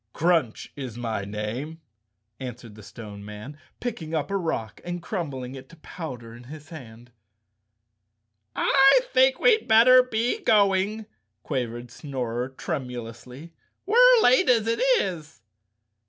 "Crunch is my name," answered the Stone Man, picking up a rock and crumbling it to powder in his hand. "I think we'd better be going," quavered Snorer tremulously. "We're late as it is."